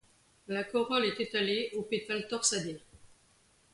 La Corolle est étalée, aux pétales torsadés.